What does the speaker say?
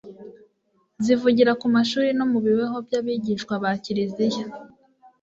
Zivugira ku mashuri no mu bibeho by'abigishwa ba Kiriziya,